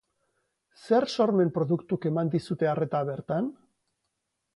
Zer sormen produktuk eman dizute arreta bertan?